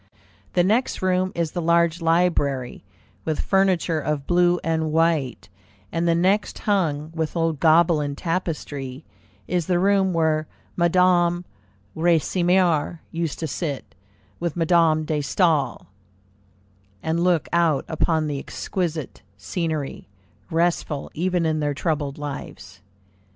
The next room is the large library, with furniture of blue and white; and the next, hung with old Gobelin tapestry, is the room where Madame Recamier used to sit with Madame de Staël, and look out upon the exquisite scenery, restful even in their troubled lives.